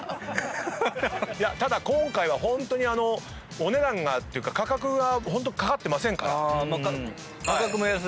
ただ今回はホントにお値段がっていうか価格がホントかかってませんから。